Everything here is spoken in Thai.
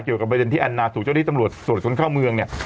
เกี่ยวกับบริเวณที่อันนาถูกเจ้าที่ตำรวจส่วนคนเข้าเมืองเนี่ย